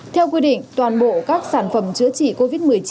theo quy định toàn bộ các sản phẩm chữa trị covid một mươi chín